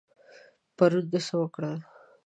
پرون د څه وکړل؟